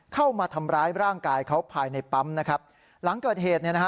เข้ามาทำร้ายร่างกายเขาภายในปั๊มนะครับหลังเกิดเหตุเนี่ยนะฮะ